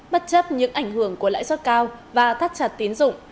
bất chấp những ảnh hưởng của lãi suất cao và thắt chặt tiến dụng